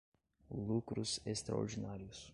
lucros extraordinários